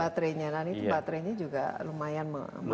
baterainya nah ini baterainya juga lumayan memakan tempat ya